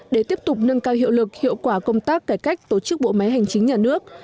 để tiếp tục nâng cao hiệu lực hiệu quả công tác cải cách tổ chức bộ máy hành chính nhà nước